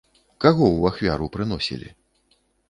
Каго ў ахвяру прыносілі?